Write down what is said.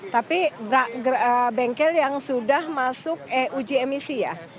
tapi bengkel yang sudah masuk uji emisi ya